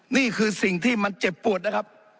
นี่คือสิ่งที่มันเจ็บปวดนะครับ